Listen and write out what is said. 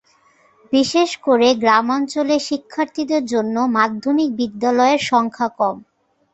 বিশেষ করে গ্রামাঞ্চলে শিক্ষার্থীদের জন্য মাধ্যমিক বিদ্যালয়ের সংখ্যা কম।